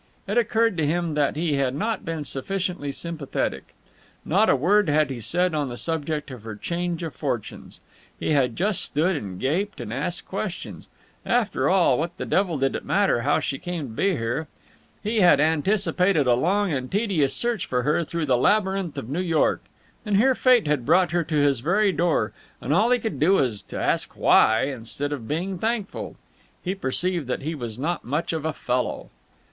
It occurred to him that he had not been sufficiently sympathetic. Not a word had he said on the subject of her change of fortunes. He had just stood and gaped and asked questions. After all, what the devil did it matter how she came to be here? He had anticipated a long and tedious search for her through the labyrinth of New York, and here Fate had brought her to his very door, and all he could do was to ask why, instead of being thankful. He perceived that he was not much of a fellow.